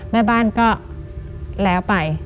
แม่บ้านก็แล้วไป